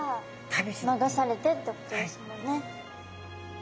流されてってことですもんね。